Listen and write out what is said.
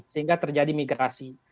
sehingga terjadi migrasi